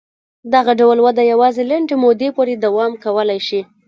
دغه ډول وده یوازې لنډې مودې پورې دوام کولای شي.